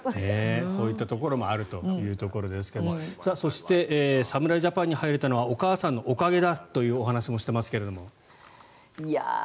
そういったところもあるということですがそして、侍ジャパンに入れたのはお母さんのおかげだという話もしていますが。